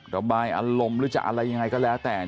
ระบายอารมณ์หรือจะอะไรยังไงก็แล้วแต่